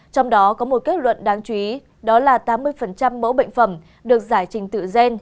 trong đó có một kết luận đáng chú ý đó là tám mươi mẫu bệnh phẩm được giải trình tự gen